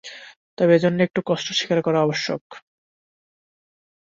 তবে এজন্য একটু কষ্ট স্বীকার করা আবশ্যক।